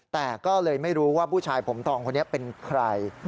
แต่ก็เลยไม่รู้ว่าผู้ชายผมทองคนนี้เป็นใคร